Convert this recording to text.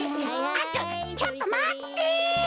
あっちょっとちょっとまって！